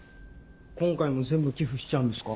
今回も全部寄付しちゃうんですか？